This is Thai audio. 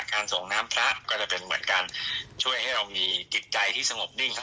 ส่งน้ำพระก็จะเป็นเหมือนการช่วยให้เรามีจิตใจที่สงบนิ่งครับ